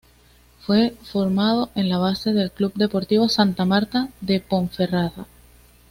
Fue formado en la base del de Club Deportivo Santa Marta de Ponferrada.